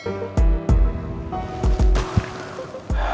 terasa apa gak tahu